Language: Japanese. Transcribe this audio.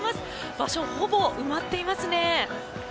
場所、ほぼ埋まっていますね。